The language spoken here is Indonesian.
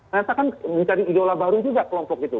ternyata kan mencari idola baru juga kelompok itu